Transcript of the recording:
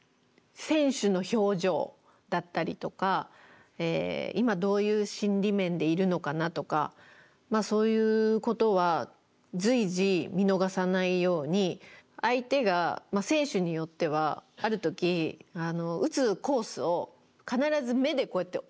選手の表情だったりとか今どういう心理面でいるのかなとかそういうことは随時見逃さないように相手が選手によってはある時打つコースを必ず目でこうやって追うんですよね。